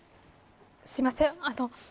すいません。